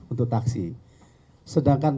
untuk taksi sedangkan